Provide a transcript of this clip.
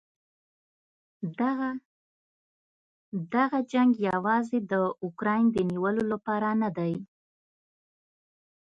دغه جنګ یواځې د اوکراین د نیولو لپاره نه دی.